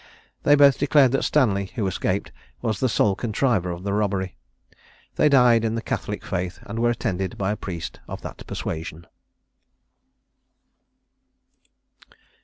They both declared that Stanley, who escaped, was the sole contriver of the robbery. They died in the Catholic faith, and were attended by a priest of that persuasion.